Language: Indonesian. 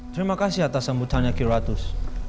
terima kasih atas sambutannya kilatus